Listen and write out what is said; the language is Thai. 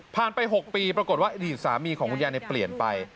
ไป๖ปีปรากฏว่าอดีตสามีของคุณยายเปลี่ยนไป